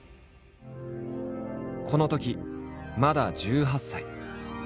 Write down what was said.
このときまだ１８歳。